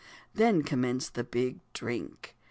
Then commenced the "big drink."